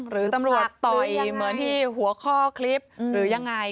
หรือตำรวจต่อยเหมือนที่หัวข้อคลิปหรือยังไง